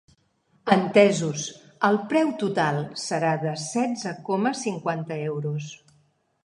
Entesos, el preu total serà de setze coma cinquanta euros.